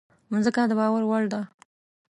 مځکه د باور وړ ده.